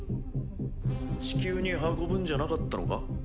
地球に運ぶんじゃなかったのか？